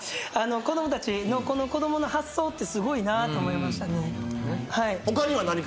子供たちの子供の発想ってすごいなと思いましたね。